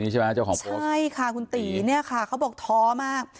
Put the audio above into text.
ใช่ค่ะคุณตีนี่ค่ะเขาบอกท้อมาก